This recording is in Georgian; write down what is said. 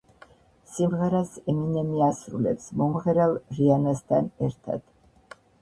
სიმღერას ემინემი ასრულებს მომღერალ რიანასთან ერთად.